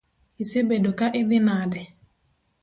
Isebedo ka idhi nade?